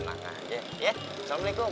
tenang aja ya assalamualaikum